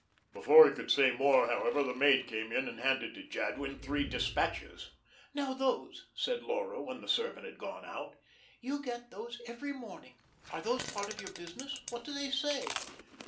Before he could say more, however, the maid came in and handed to Jadwin three despatches. "Now those," said Laura, when the servant had gone out, "you get those every morning. Are those part of your business? What do they say?"